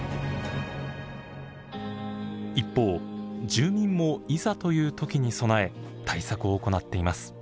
一方住民もいざという時に備え対策を行っています。